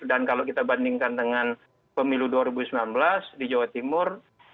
dan kalau kita bandingkan dengan pemilu dua ribu sembilan belas di jawa timur